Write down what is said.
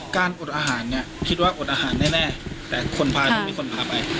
อดอาหารเนี่ยคิดว่าอดอาหารแน่แต่คนพาต้องมีคนพาไป